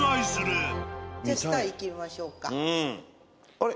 あれ？